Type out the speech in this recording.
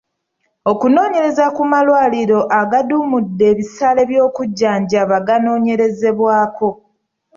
Okunoonyereza ku malwaliro agaaduumudde ebisale by’okujjanjaba ganoonyerezebwako.